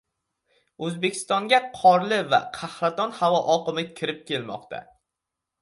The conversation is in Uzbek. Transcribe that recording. O‘zbekistonga qorli va qahraton havo oqimi kirib kelmoqda